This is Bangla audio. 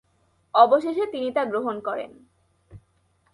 অবশেষে তিনি তা গ্রহণ করেন।